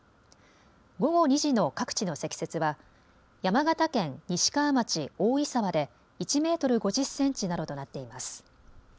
午後２時の各地の積雪は山形県西川町大井沢で１メートル５０センチなどとなっています。